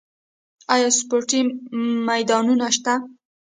آیا سپورتي میدانونه شته؟